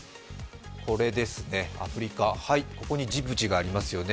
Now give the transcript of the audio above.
アフリカ、ここにジブチがありますよね。